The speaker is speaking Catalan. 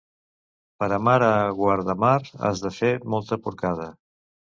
Per amar a Guardamar has de fer molta porcada.